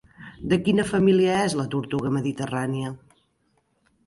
De quina família és la tortuga mediterrània?